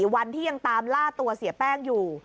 วันที่ยังตามล่าตัวเสียแป้งอยู่